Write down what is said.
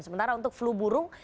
sementara untuk flu burung